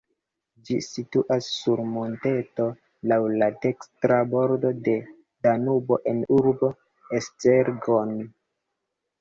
Ĝi situas sur monteto laŭ la dekstra bordo de Danubo en urbo Esztergom.